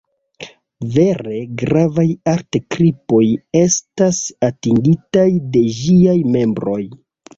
Vere gravaj art-kripoj estas atingitaj de ĝiaj membroj.